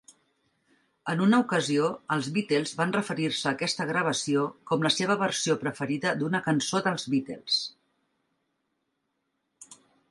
En una ocasió, els Beatles van referir-se a aquesta gravació com la seva versió preferida d'una cançó dels Beatles.